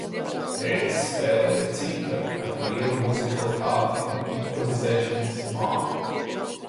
Tētis spēlēja cītaru ar lielu muzikalitāti un improvizēšanas māku.